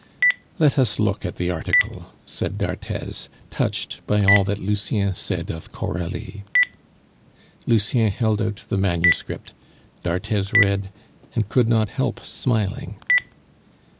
"Let us look at the article," said d'Arthez, touched by all that Lucien said of Coralie. Lucien held out the manuscript; d'Arthez read, and could not help smiling.